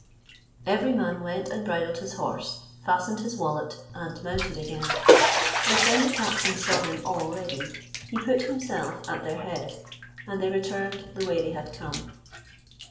Every man went and bridled his horse, fastened his wallet, and mounted again; and when the captain saw them all ready, he put himself at their head, and they returned the way they had come.